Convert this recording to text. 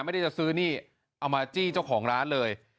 ไม่ได้จะซื้อนี่เอามาจี้เจ้าของร้านเลย